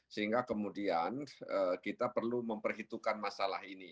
sehingga kemudian kita perlu memperhitungkan masalah ini